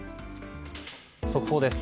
速報です。